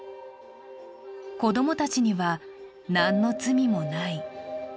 子供たちには、何の罪もない。